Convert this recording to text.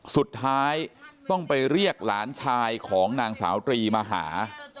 สุดท้ายต้องไปเรียกหลานชายของนางสาวตรีมาหา